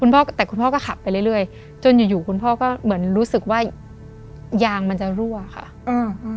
แต่คุณพ่อก็ขับไปเรื่อยเรื่อยจนอยู่อยู่คุณพ่อก็เหมือนรู้สึกว่ายางมันจะรั่วค่ะอืม